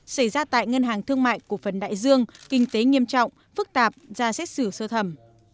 xảy ra tại ngân hàng thương mại cổ phần đại dương kinh tế nghiêm trọng phức tạp ra xét xử sơ thẩm